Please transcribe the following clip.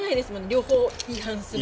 両方違反する。